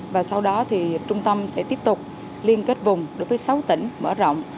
và sau đó thì trung tâm sẽ tiếp tục liên kết vùng đối với sáu tỉnh mở rộng